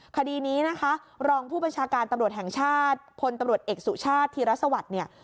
คดีนี้นะคะรองผู้บัญชาการตำรวจแห่งชาติพลตำรวจเอกสุชาติธีรสวัสดิ์เนี่ย